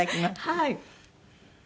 はい。